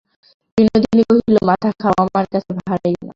বিনোদিনী কহিল, মাথা খাও, আমার কাছে ভাঁড়াইয়ো না।